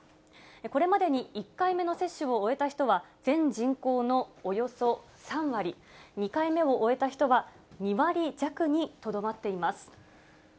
これまでに１回目の接種を終えた人は、全人口のおよそ３割、２回目を終えた人は２割弱にとどまっています。